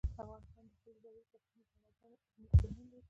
افغانستان د خپلو ژورو سرچینو په اړه ګڼې علمي څېړنې لري.